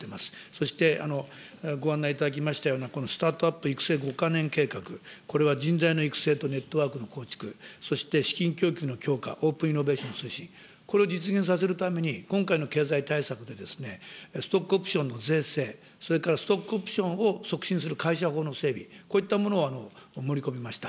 そして、ご案内いただきましたような、このスタートアップ育成５か年計画、これは人材の育成とネットワークの構築、そして資金供給の強化、オープンイノベーションの推進、これを実現させるために今回の経済対策で、ストックオプションの税制、それからストックオプションを促進する会社法の整備、こういったものを盛り込みました。